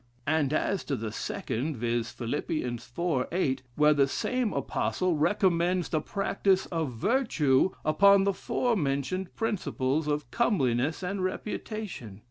And as to the second viz., Phil, iv., 8, where the same apostle recommends the practice of Virtue, upon the fore mentioned principles of comeliness and reputation.